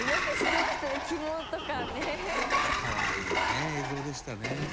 可愛いね映像でしたね。